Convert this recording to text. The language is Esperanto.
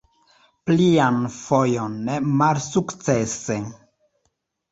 Plian fojon malsukcese.